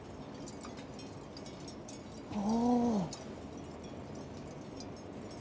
お。